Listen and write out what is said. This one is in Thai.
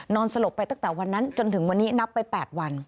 สลบไปตั้งแต่วันนั้นจนถึงวันนี้นับไป๘วัน